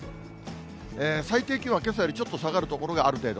最低気温はけさよりちょっと下がる所がある程度。